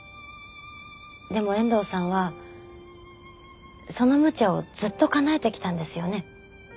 でも遠藤さんはそのむちゃをずっと叶えてきたんですよね？